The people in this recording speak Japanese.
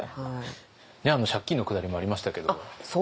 借金のくだりもありましたけど。